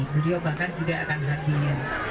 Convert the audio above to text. beliau bahkan juga akan hadir